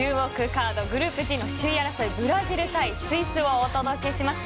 カードグループＧの首位争いブラジル対スイスをお届けします。